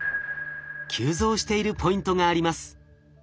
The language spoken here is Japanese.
急増しているポイントがあります。